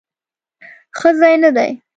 ښه ځای نه دی؟